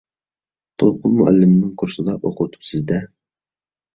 دولقۇن مۇئەللىمنىڭ كۇرسىدا ئوقۇۋېتىپسىز-دە.